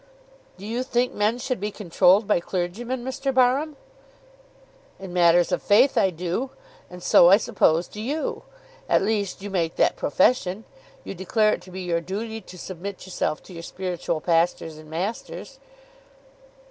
"Do you think men should be controlled by clergymen, Mr. Barham?" "In matters of faith I do; and so, I suppose, do you; at least you make that profession. You declare it to be your duty to submit yourself to your spiritual pastors and masters."